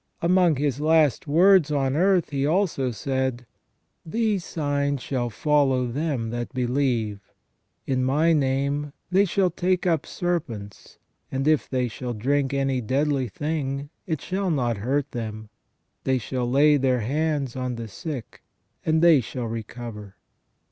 Among His last words on earth He also said :" These signs shall follow them that believe. In My name ... they shall take up serpents : and if they shall drink any deadly thing, it shall not hurt them : they shall lay their hands on the sick, and they shall recover."